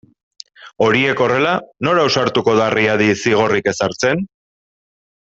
Horiek horrela, nor ausartuko da Riadi zigorrik ezartzen?